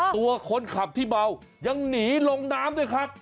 ตัวคนขับที่เมายังหนีลงน้ำด้วยครับ